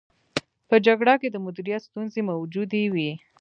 په جګړه کې د مدیریت ستونزې موجودې وې.